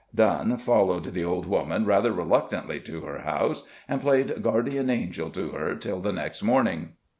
Dunn followed the old woman rather reluctantly to her house, and played guardian angel to her tiU the next morning.